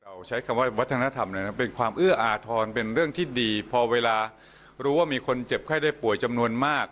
ใช้คำว่าวัฒนธรรมเลยนะเป็นความเอื้ออาทรเป็นเรื่องที่ดีพอเวลารู้ว่ามีคนเจ็บไข้ได้ป่วยจำนวนมาก